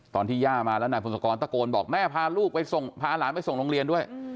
ตอนที่แย่มาแล้วนายพงศกรตะโกนบอกแม่พาหลันไปส่งโรงเรียนด้วย